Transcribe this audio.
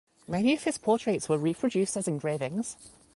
Many of his portraits were reproduced as engravings.